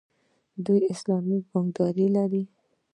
دوی اسلامي بانکداري لري.